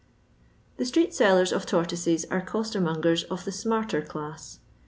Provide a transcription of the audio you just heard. The street sellers of tortoises are costermongers of the smarter class.